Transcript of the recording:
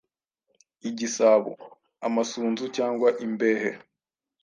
igisabo, amasunzu cyangwa imbehe.